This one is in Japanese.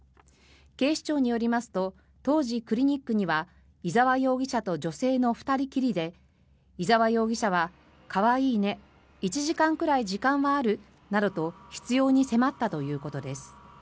警視庁によりますと当時、クリニックには伊沢容疑者と女性の２人きりで伊沢容疑者は可愛いね１時間ぐらい時間はある？などと執ように迫ったということです。